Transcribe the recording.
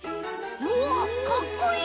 うわっかっこいい！